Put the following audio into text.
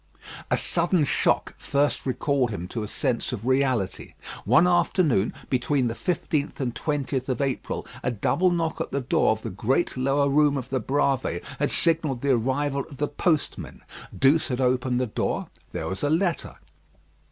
A sudden shock first recalled him to a sense of reality. One afternoon, between the 15th and 20th of April, a double knock at the door of the great lower room of the Bravées had signalled the arrival of the postman. Douce had opened the door; there was a letter.